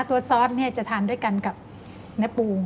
ตัวซอสจะทานด้วยกันกับเนื้อปู